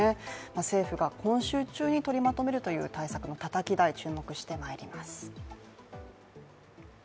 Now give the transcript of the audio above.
政府が今週中に取りまとめるという政策のたたき台、注目してまいります。